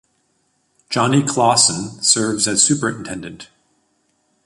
Johnny Clawson serves as Superintendent.